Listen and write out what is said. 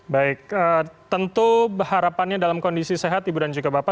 baik tentu harapannya dalam kondisi sehat ibu dan juga bapak